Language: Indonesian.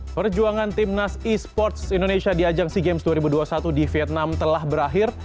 perjuangan timnas e sports indonesia di ajang sea games dua ribu dua puluh satu di vietnam telah berakhir